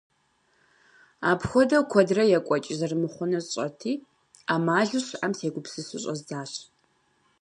Апхуэдэу куэдрэ екӀуэкӀ зэрымыхъунур сщӀэрти, Ӏэмалу щыӀэм сегупсысу щӀэздзащ.